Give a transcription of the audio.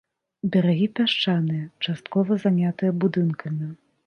Берагі пясчаныя, часткова занятыя будынкамі.